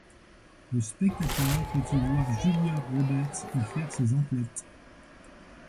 Le spectateur peut y voir Julia Roberts y faire ses emplettes.